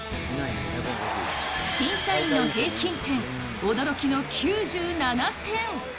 審査員の平均点、驚きの９７点！